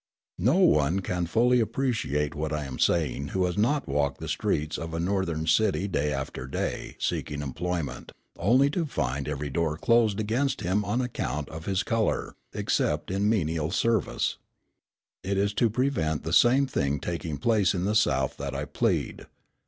No one can fully appreciate what I am saying who has not walked the streets of a Northern city day after day seeking employment, only to find every door closed against him on account of his colour, except in menial service. It is to prevent the same thing taking place in the South that I plead.